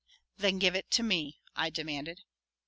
"Then give it to me," I demanded.